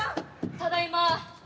ただいま。